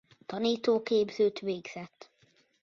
Tanítóképzőt végzett.